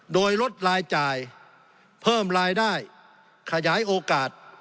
โดยลดรายจ่ายเพิ่มรายได้ขยายโอกาส